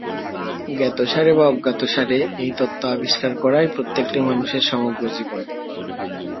জ্ঞাতসারে বা অজ্ঞাতসারে এই তত্ত্ব আবিষ্কার করাই প্রত্যেকটি মানুষের সমগ্র জীবন।